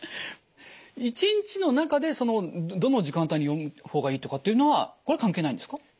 一日の中でどの時間帯に読むほうがいいとかっていうのはこれ関係ないんですか？